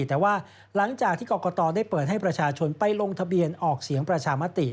แต่ว่าหลังจากที่กรกตได้เปิดให้ประชาชนไปลงทะเบียนออกเสียงประชามติ